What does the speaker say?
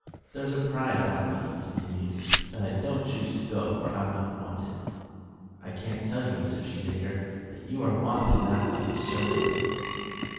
"There's a pride about me," he continued, "that I don't choose to go where I'm not wanted." "I can't tell you, Mr. Cheesacre, that you are wanted in that light, certainly."